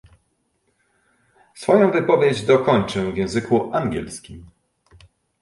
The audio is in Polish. Swoją wypowiedź dokończę w języku angielskim